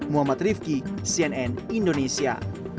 muhammad rifqi cnn indonesia